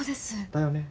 だよね。